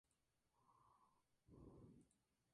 Tuvo una frecuencia semanal.